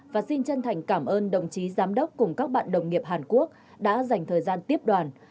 và xin chân thành cảm ơn đồng chí giám đốc cùng các bạn đồng nghiệp hàn quốc đã dành thời gian tiếp đoàn